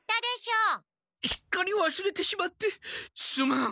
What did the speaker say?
すっかりわすれてしまってすまん。